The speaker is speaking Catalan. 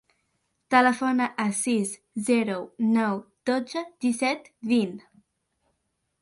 Telefona al sis, zero, nou, dotze, disset, vint.